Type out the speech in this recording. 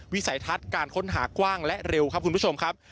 วิสัยทัศน์การค้นหากว้างและเร็วครับคุณผู้ชมครับ